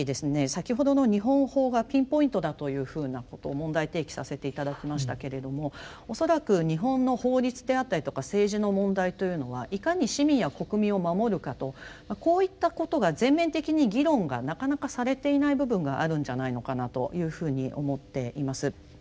先ほどの日本法がピンポイントだというふうなことを問題提起させて頂きましたけれども恐らく日本の法律であったりとか政治の問題というのはいかに市民や国民を守るかとこういったことが全面的に議論がなかなかされていない部分があるんじゃないのかなというふうに思っています。